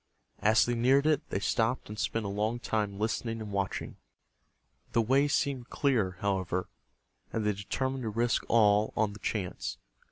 As they neared it, they stopped and spent a long time listening and watching. The way seemed clear, however, and they determined to risk all on the chance.